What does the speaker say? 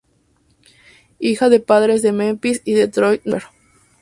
Hija de padres de Memphis y Detroit, nació en Denver.